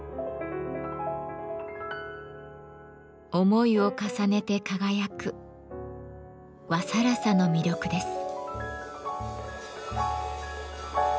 思いを重ねて輝く和更紗の魅力です。